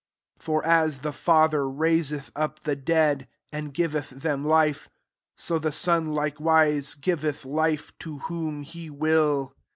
21 For as the Father rais eth up the dead, and giveth them life ; so the Son likewise giveth Ufo to whom he will.